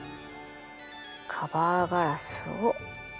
カバーガラスを。